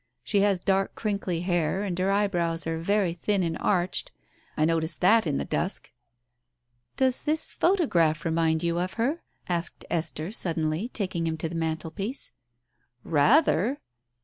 She has dark crinkly hair, and her eyebrows are very thin and arched — I noticed that in the dusk." "Does this photograph remind you of her?" asked Esther suddenly, taking him to the mantelpiece. "Rather!"